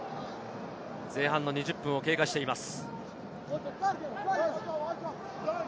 前半２０分経過しています。